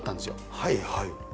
はいはい。